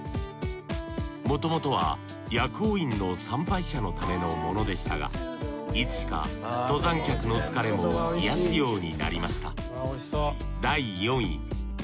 もともとは薬王院の参拝者のためのものでしたがいつしか登山客の疲れも癒やすようになりました